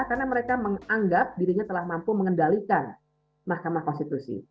karena mereka menganggap dirinya telah mampu mengendalikan mahkamah konstitusi